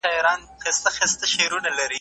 په هر کلي کي یې یو جومات آباد کړ